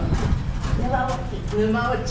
沼落ち。